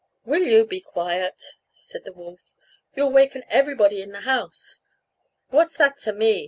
"Will you be quiet?" said the wolf, "you'll awaken everybody in the house." "What's that to me?"